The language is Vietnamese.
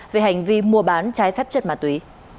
về hành vi mua bán trái phép chất mà tuý